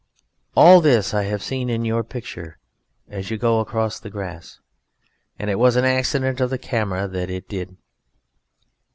All this I have seen in your picture as you go across the grass, and it was an accident of the camera that did it.